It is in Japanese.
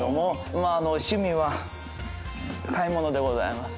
まあ趣味は買い物でございます。